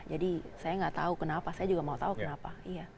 jadi saya tidak tahu kenapa saya juga mau tahu kenapa